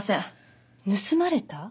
盗まれた？